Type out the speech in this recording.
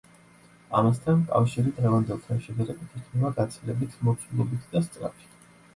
ამასთან, კავშირი დღევანდელთან შედარებით, იქნება გაცილებით მოცულობითი და სწრაფი.